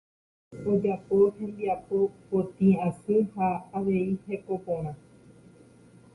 Ojapo hembiapo potĩ asy ha avei heko porã.